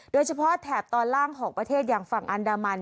โดยเฉพาะแถบตอนล่างหอบประเทศอย่างฝั่งอันดามัน